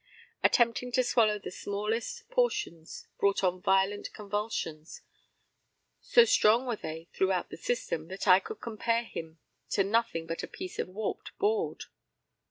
Attempting to swallow the smallest portions brought on violent convulsions; so strong were they throughout the system that I could compare him to nothing but a piece of warped board.